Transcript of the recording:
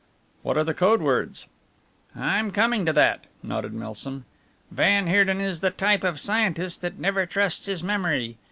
"What are the code words?" "I'm coming to that," nodded Milsom. "Van Heerden is the type of scientist that never trusts his memory.